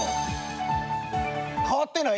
変わってない。